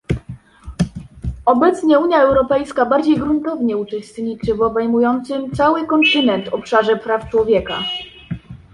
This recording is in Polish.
Obecnie Unia Europejska bardziej gruntownie uczestniczy w obejmującym cały kontynent obszarze praw człowieka